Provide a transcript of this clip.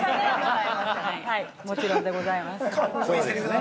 ◆もちろんでございます。